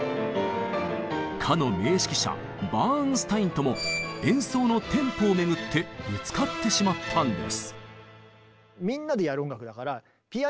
かの名指揮者バーンスタインとも演奏のテンポをめぐってぶつかってしまったんです。